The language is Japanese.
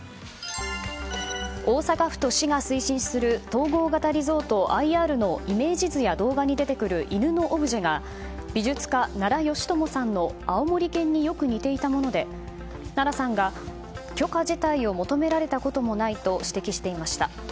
大阪府都市が推進する統合型リゾート・ＩＲのイメージ図や動画に出てくる犬のオブジェが美術家・奈良美智さんの「あおもり犬」によく似ていたもので奈良さんが許可自体を求められたこともないと指摘していました。